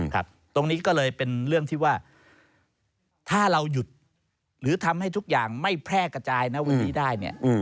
ตรงนี้ก็เลยเป็นเรื่องที่ว่าถ้าเราหยุดหรือทำให้ทุกอย่างไม่แพร่กระจายนะวันนี้ได้เนี่ย